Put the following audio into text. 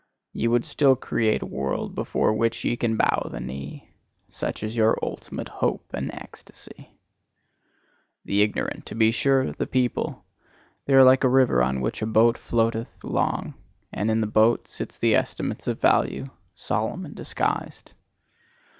Ye would still create a world before which ye can bow the knee: such is your ultimate hope and ecstasy. The ignorant, to be sure, the people they are like a river on which a boat floateth along: and in the boat sit the estimates of value, solemn and disguised.